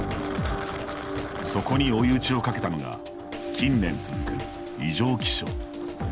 そこに追い打ちをかけたのが近年続く、異常気象。